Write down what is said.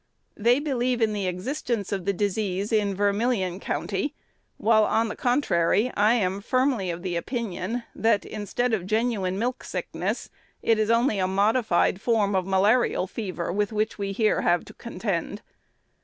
They believe in the existence of the disease in Vermilion County; while, on the contrary, I am firmly of opinion, that, instead of genuine milk sickness, it is only a modified form of malarial fever with which we here have to contend.